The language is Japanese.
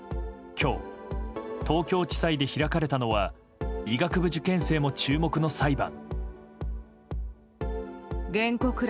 今日、東京地裁で開かれたのは医学部受験生も注目の裁判。